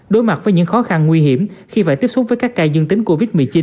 đối mặt với những khó khăn nguy hiểm khi phải tiếp xúc với các ca dương tính covid một mươi chín